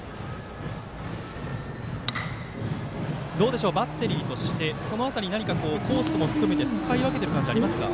どうでしょう、バッテリーとしてその辺り、何かコースも含めて使い分けている感じありますか。